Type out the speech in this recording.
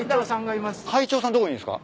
会長さんどこにいるんすか？